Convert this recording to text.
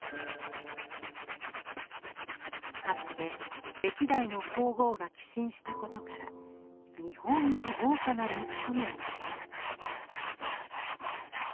かつて歴代の皇后が寄進したことから「日本一豪華な御簾」ともいわれます。